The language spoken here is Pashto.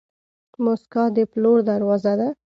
موسکا د پلور دروازه ده.